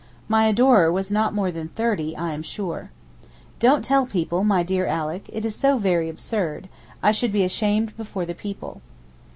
My adorer was not more than thirty, I am sure. Don't tell people, my dear Alick; it is so very absurd; I should be 'ashamed before the people.